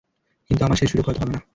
কিন্তু আমার সে সুযোগ হয়ত হবে না।